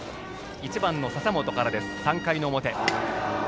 １番の笹本から、３回の表。